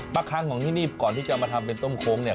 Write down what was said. คังของที่นี่ก่อนที่จะมาทำเป็นต้มโค้งเนี่ย